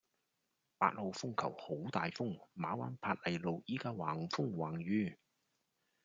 八號風球好大風，馬灣珀麗路依家橫風橫雨